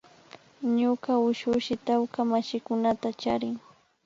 Ñuka ushushi tawka mashikunata charin